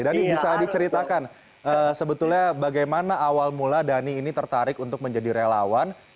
dhani bisa diceritakan sebetulnya bagaimana awal mula dhani ini tertarik untuk menjadi relawan